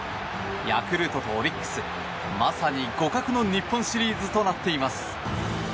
ヤクルトとオリックスまさに互角の日本シリーズとなっています。